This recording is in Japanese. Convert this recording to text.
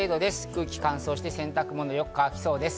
空気が乾燥して洗濯物がよく乾きそうです。